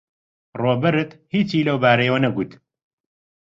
ڕۆبەرت هیچی لەو بارەیەوە نەگوت.